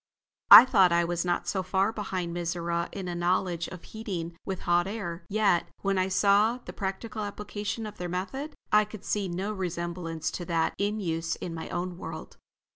I thought I was not so far behind Mizora in a knowledge of heating with hot air; yet, when I saw the practical application of their method, I could see no resemblance to that in use in my own world.